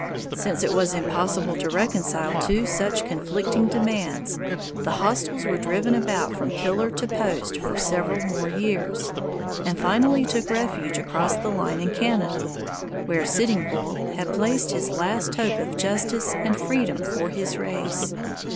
Since it was impossible to reconcile two such conflicting demands, the hostiles were driven about from pillar to post for several more years, and finally took refuge across the line in Canada, where Sitting Bull had placed his last hope of justice and freedom for his race.